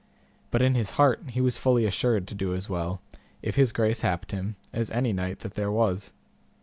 But in his heart he was fully assured to do as well, if his grace happed him, as any knight that there was.